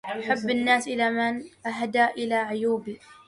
حب الناس إلى من أهدى إلى عيوبي.